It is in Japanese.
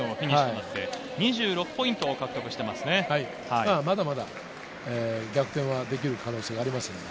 まだまだ逆転できる可能性はあります。